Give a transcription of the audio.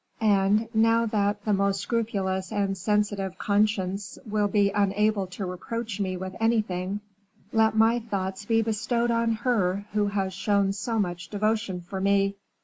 And, now that the most scrupulous and sensitive conscience will be unable to reproach me with anything, let my thoughts be bestowed on her who has shown so much devotion for me.